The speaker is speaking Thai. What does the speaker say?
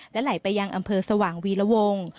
และไหลไปยังอำเภอสว่างวีรวง